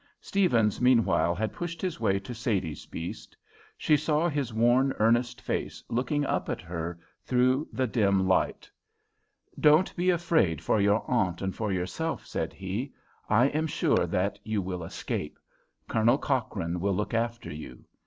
Stephens meanwhile had pushed his way to Sadie's beast. She saw his worn, earnest face looking up at her through the dim light. "Don't be afraid for your aunt and for yourself," said he. "I am sure that you will escape. Colonel Cochrane will look after you.